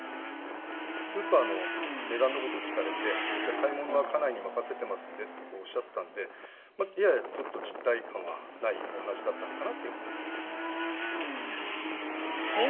スーパーの値段のことを聞かれて、買い物は家内に任せてますんでとおっしゃったんで、ややちょっと実態感はないお話だったのかなというふうに思いますね。